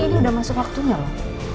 ini udah masuk waktunya loh